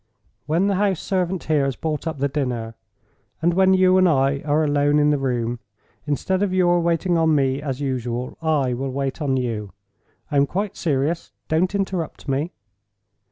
When the house servant here has brought up the dinner, and when you and I are alone in the room—instead of your waiting on me, as usual, I will wait on you. (I am quite serious; don't interrupt me!)